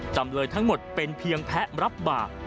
จำเลยทั้งหมดเป็นเพียงแพ้รับบาป